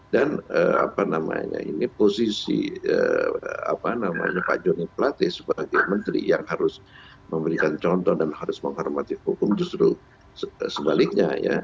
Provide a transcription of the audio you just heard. dan apa namanya ini posisi pak joni plete sebagai menteri yang harus memberikan contoh dan harus menghormati hukum justru sebaliknya ya